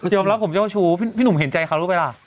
ยอมรับผมเจ้าชู้พี่หนุ่มเห็นใจเขารู้ไหมล่ะ